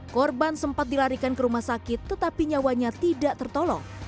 korban sempat dilarikan ke rumah sakit tetapi nyawanya tidak tertolong